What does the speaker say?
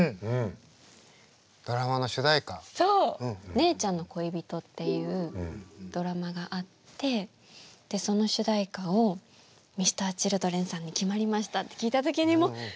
「姉ちゃんの恋人」っていうドラマがあってその主題歌をＭｒ．Ｃｈｉｌｄｒｅｎさんに決まりましたって聞いた時にもう「えっ！」